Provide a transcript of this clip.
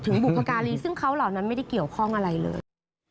บุพการีซึ่งเขาเหล่านั้นไม่ได้เกี่ยวข้องอะไรเลย